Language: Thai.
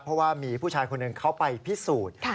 เพราะว่ามีผู้ชายคนหนึ่งเขาไปพิสูจน์